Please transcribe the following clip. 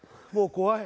怖い。